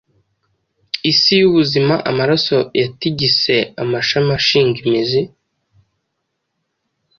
Isi yubuzima amaraso yatigise Amashami ashinga imizi